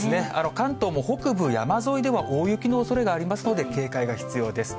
関東も北部山沿いでは大雪のおそれがありますので、警戒が必要です。